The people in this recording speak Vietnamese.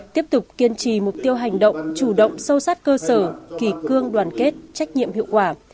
tiếp tục kiên trì mục tiêu hành động chủ động sâu sát cơ sở kỳ cương đoàn kết trách nhiệm hiệu quả